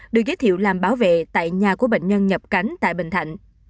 được giới thiệu làm bảo vệ tại nhà của bệnh nhân nhập cánh tại bình thạnh